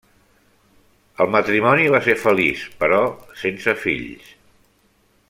El matrimoni va ser feliç, però sense fills.